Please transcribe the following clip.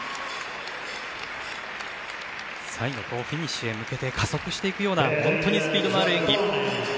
最後フィニッシュへ向けて加速していくような本当にスピードのある演技。